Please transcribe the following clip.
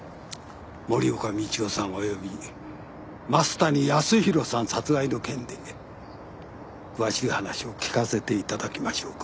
森岡道夫さんおよび増谷康弘さん殺害の件で詳しい話を聞かせていただきましょうか。